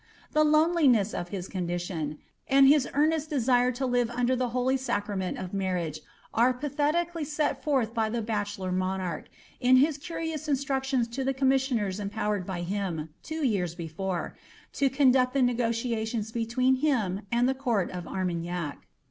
The lonelineaa of his condition, and " his caninl desite lo livp under ihe holy sirrament of imringp," arf pnhfticalljMi forth hy the bachelor monarch, in his cnrinua instructiona lo die eom miasioners empowered by him, two years before, to conduct the atga tiationa belneen him and the court of Armagnac.'